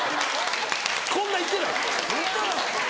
こんないってない。